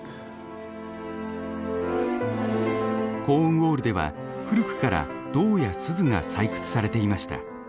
コーンウォールでは古くから銅やスズが採掘されていました。